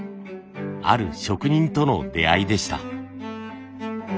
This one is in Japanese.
ある職人との出会いでした。